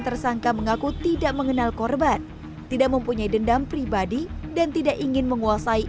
tersangka mengaku tidak mengenal korban tidak mempunyai dendam pribadi dan tidak ingin menguasai